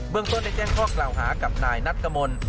เมืองต้นได้แจ้งข้อกล่าวหากับนายนัทกมล